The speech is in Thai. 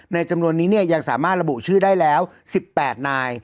ในจำนวนนี้เนี่ยยังสามารถระบุชื่อได้แล้วสิบแปดนาย